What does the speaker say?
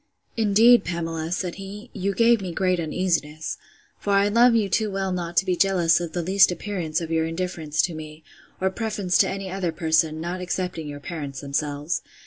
Indeed, Pamela, said he, you gave me great uneasiness; for I love you too well not to be jealous of the least appearance of your indifference to me, or preference to any other person, not excepting your parents themselves.